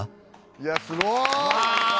いや、すごい。